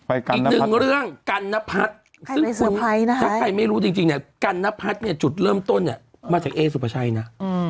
อีกหนึ่งเรื่องกันนพัฒน์ซึ่งถ้าใครไม่รู้จริงเนี่ยกันนพัฒน์เนี่ยจุดเริ่มต้นเนี่ยมาจากเอสุภาชัยนะ